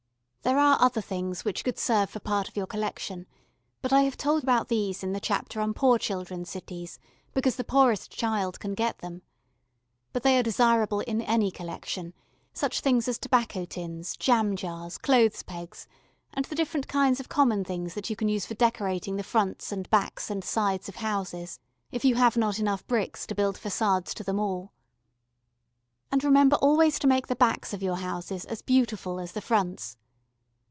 There are other things which could serve for part of your collection, but I have told about these in the chapter on poor children's cities, because the poorest child can get them. But they are desirable in any collection, such things as tobacco tins, jam jars, clothes pegs, and the different kinds of common things that you can use for decorating the fronts and backs and sides of houses, if you have not enough bricks to build façades to them all. And remember always to make the backs of your houses as beautiful as the fronts.